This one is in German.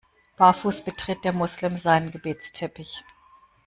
Barfuß betritt der Moslem seinen Gebetsteppich.